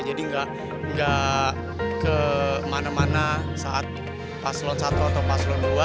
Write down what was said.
jadi enggak ke mana mana saat paslon satu atau paslon dua